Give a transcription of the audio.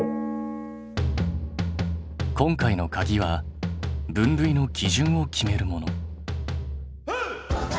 今回のかぎは分類の基準を決めるもの。